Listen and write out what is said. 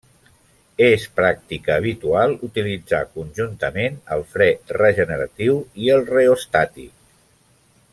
És pràctica habitual utilitzar conjuntament el fre regeneratiu i el reostàtic.